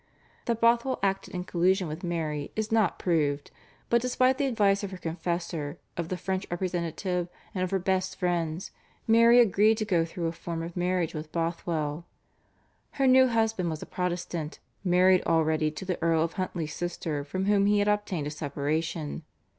That Bothwell acted in collusion with Mary is not proved, but despite the advice of her confessor, of the French representative, and of her best friends Mary agreed to go through a form of marriage with Bothwell. Her new husband was a Protestant, married already to the Earl of Huntly's sister from whom he had obtained a separation.